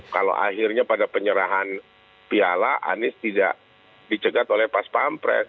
kalau akhirnya pada penyerahan piala anies tidak dicegat oleh pas pampres